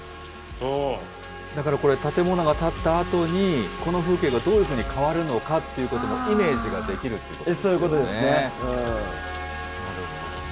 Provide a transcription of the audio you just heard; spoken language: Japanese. だからこれ、建物が建ったあとに、この風景がどういうふうに変わるのかっていうことの、イメージができるってことですね。